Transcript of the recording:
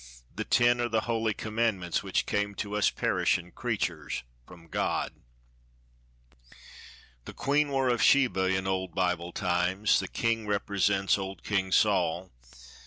The 'ten' are the holy commandments, which came To us perishin' creatures from God. The 'queen' war of Sheba in old Bible times, The 'king' represents old King Sol.